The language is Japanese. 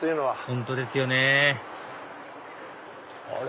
本当ですよねあれ？